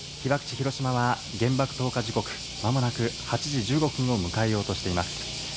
広島は原爆投下時刻、まもなく８時１５分を迎えようとしています。